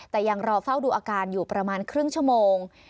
แต่ยังรอเฝ้าดูอาการอยู่ประมาณครึ่งชั่วโมง